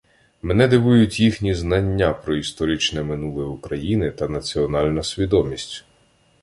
Мене дивують їхні знання про історичне минуле України та національна свідомість.